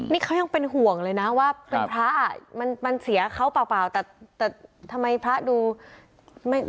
นี่เขายังเป็นห่วงเลยนะว่าเป็นพระอ่ะมันเสียเขาเปล่าแต่ทำไมพระดูไม่เป็นห่วงตัวเองเลย